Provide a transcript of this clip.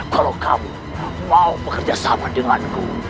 kalau kamu mau bekerja sama denganku